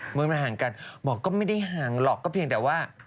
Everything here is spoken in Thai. เมืองระห่างกันบอกก็ไม่ได้ห่างหรอกก็เพียงแต่ว่า